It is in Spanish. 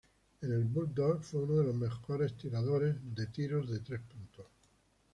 En el Bulldogs fue uno de los mejores tirador de tiros de tres puntos.